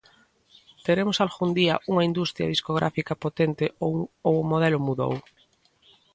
Teremos algún día unha industria discográfica potente ou o modelo mudou?